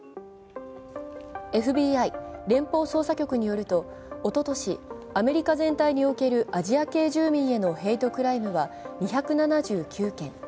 ＦＢＩ＝連邦捜査局によると、おととし、アメリカ全体におけるアジア系住民へのヘイトクライムは２７９件。